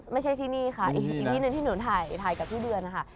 ไม่ใช่ที่นี่ค่ะอีกที่หนึ่งที่หนูถ่ายกับพี่เดือนนะคะ